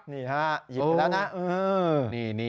นี่ค่ะหยิบแล้วนะ